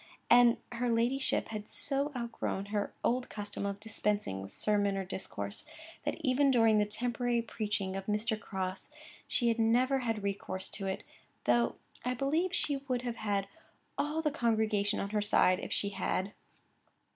And her ladyship had so outgrown her old custom of dispensing with sermon or discourse, that even during the temporary preaching of Mr. Crosse, she had never had recourse to it, though I believe she would have had all the congregation on her side if she had.